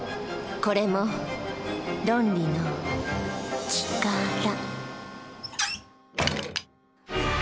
これも「ロンリのちから」。